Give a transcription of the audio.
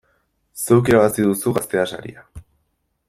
Zeuk irabazi duzu Gaztea saria!